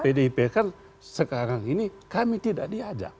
pdip kan sekarang ini kami tidak diajak